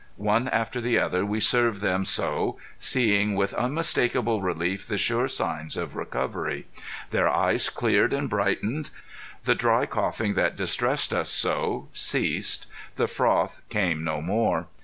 One after the other we served them so, seeing with unmistakable relief the sure signs of recovery. Their eyes cleared and brightened; the dry coughing that distressed us so ceased; the froth came no more.